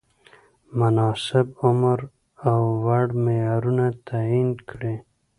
مناسب عمر او وړ معیارونه تعین کړي.